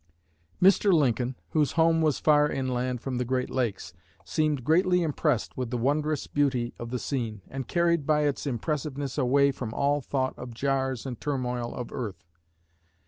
Mr. Lincoln, whose home was far inland from the great lakes, seemed greatly impressed with the wondrous beauty of the scene, and carried by its impressiveness away from all thought of jars and turmoil of earth.